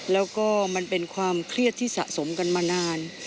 แล้วก็มันเป็นความเครียดที่สะสมกันมานาน